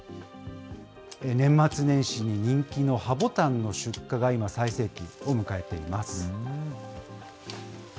年末年始に人気の葉ボタンの出荷が今、最盛期を迎えています。